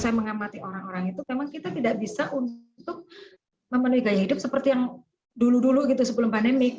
ketika tidak mem consent meng informedasi tentang kematian orang orang kita tidak bisa untuk memenuhi gaya hidup seperti yang dulu dulu sebelum pandemi